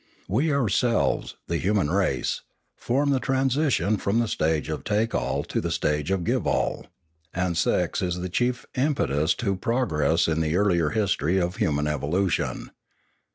We ourselves, the hu man race, form the transition from the stage of take all to the stage of give all. And sex is the chief impetus to progress in the earlier history of human evolution.